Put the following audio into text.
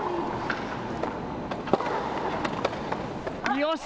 よし！